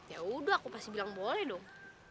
yaudah aku pasti bilang boleh dong